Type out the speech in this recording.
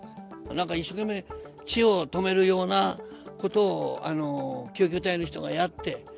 なんか一生懸命、血を止めるようなことを救急隊の人がやって。